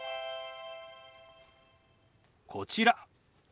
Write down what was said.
こちら。